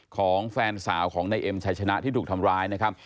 ของแฟนสาวของนายเอ็มชัยชนะที่ถูกทำร้ายนะครับ